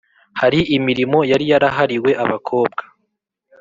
Hari imirimo yari yarahariwe abakobwa.